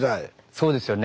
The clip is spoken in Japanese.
そうですよね。